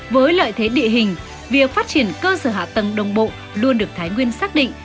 với lợi thế địa hình việc phát triển cơ sở hạ tầng đồng bộ luôn được thái nguyên xác định